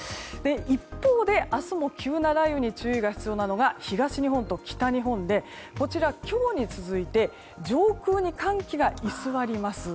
一方、明日も急な雷雨に注意が必要なのが東日本と北日本でこちら、今日に続いて上空に寒気が居座ります。